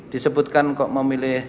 disebutkan kok memilih